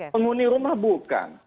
penghuni rumah bukan